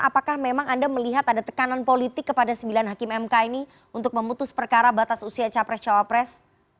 apakah memang anda melihat ada tekanan politik kepada sembilan hakim mk ini untuk memutus perkara batas usia capres cawapres